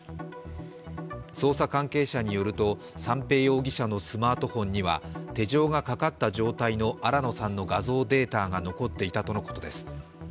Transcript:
捜査関係者によると、三瓶容疑者のスマートフォンには手錠がかかった状態の新野さんの画像データが残っていたとのことです。